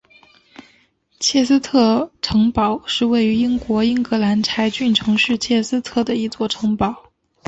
切斯特城堡是位于英国英格兰柴郡城市切斯特的一座城堡。